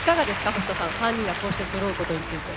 堀田さん３人がこうしてそろうことについて。